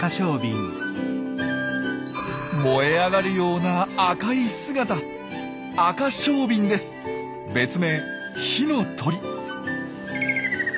燃え上がるような赤い姿別名「火の鳥」。